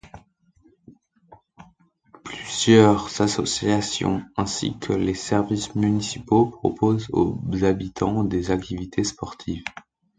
Plusieurs associations ainsi que les services municipaux proposent aux habitants des activités sportives.